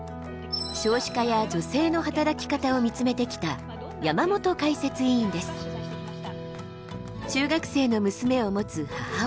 少子化や女性の働き方を見つめてきた中学生の娘を持つ母親。